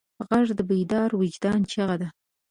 غږ د بیدار وجدان چیغه ده